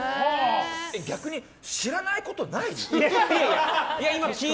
逆に知らないことない？